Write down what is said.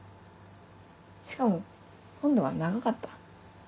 しかも今度は長かった。